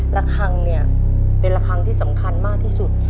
ละครั้งเนี่ยเป็นละครั้งที่สำคัญมากที่สุด